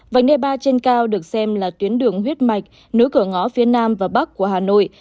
vành ne ba trên cao được xem là tuyến đường huyết mạch nối cửa ngõ phía nam và bắc của hà nội